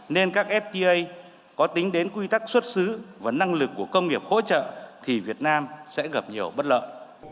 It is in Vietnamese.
nên các fta có tính đến quy tắc xuất xứ và năng lực của công nghiệp hỗ trợ thì việt nam sẽ gặp nhiều bất lợi